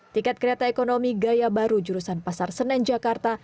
tiket kereta ekonomi gaya baru jurusan pasar senen jakarta